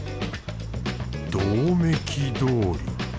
どうめきどおり。